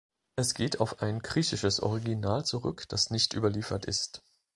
Es geht auf ein griechisches Original zurück, das nicht überliefert ist.